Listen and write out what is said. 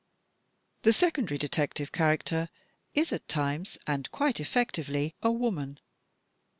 This secondary detective character is, at times and quite effectively, a woman.